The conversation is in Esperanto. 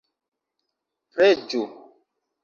Preĝu!